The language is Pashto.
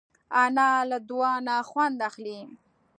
انا له دعا نه خوند اخلي